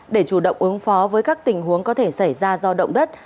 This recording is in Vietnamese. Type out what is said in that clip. để chủ động ứng phó với các tình huống có thể xảy ra do động đất